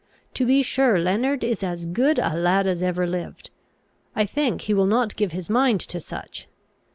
To be sure, Leonard is as good a lad as ever lived. I think he will not give his mind to such.